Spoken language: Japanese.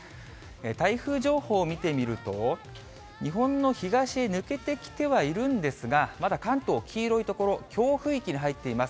台風情報を見てみると、日本の東へ抜けてきてはいるんですが、まだ関東、黄色い所、強風域に入っています。